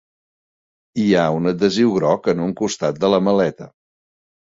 Hi ha un adhesiu groc en un costat de la maleta.